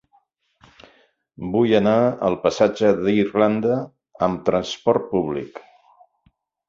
Vull anar al passatge d'Irlanda amb trasport públic.